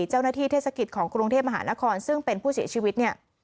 เจ้าหน้าที่เทศกิจของกรุงเทพมหานครซึ่งเป็นผู้เสียชีวิตเนี่ย